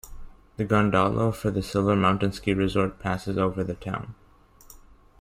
The gondola for the Silver Mountain ski resort passes over the town.